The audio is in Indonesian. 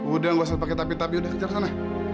udah nggak usah pake tapi tapi udah kejar sana